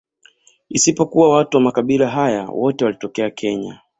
Isipokuwa watu wa makabila haya wote walitokea Kenya